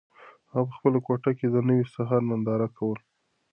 هغه په خپله کوټه کې د نوي سهار ننداره کوله.